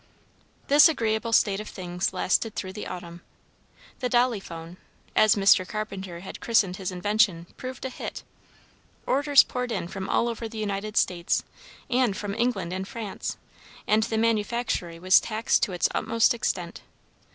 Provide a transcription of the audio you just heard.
This agreeable state of things lasted through the autumn. The Dolliphone, as Mr. Carpenter had christened his invention, proved a hit. Orders poured in from all over the United States, and from England and France, and the manufactory was taxed to its utmost extent.